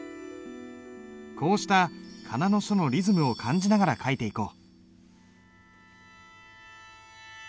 こうした仮名の書のリズムを感じながら書いていこう。